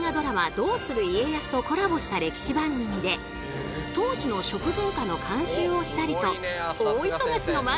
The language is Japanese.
「どうする家康」とコラボした歴史番組で当時の食文化の監修をしたりと大忙しの毎日！